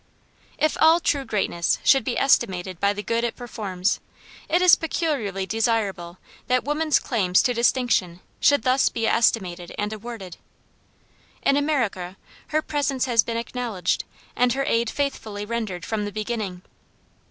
If all true greatness should be estimated by the good it performs, it is peculiarly desirable that woman's claims to distinction should thus be estimated and awarded. In America her presence has been acknowledged, and her aid faithfully rendered from the beginning.